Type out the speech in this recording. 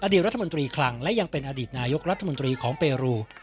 รัฐมนตรีคลังและยังเป็นอดีตนายกรัฐมนตรีของเปรู